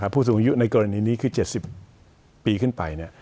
ผู้สูงอายุในกรณีนี้คือ๗๐ปีขึ้นไป